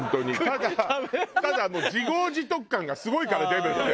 ただただ自業自得感がすごいからデブって。